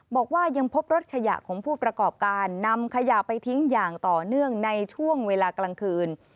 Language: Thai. บอกว่ายังพบรถขยะของผู้ประกอบการนำขยะไปทิ้งอย่างต่อเนื่องในช่วงเวลากลางคืน